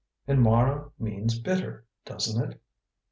"And Mara means 'bitter,' doesn't it?"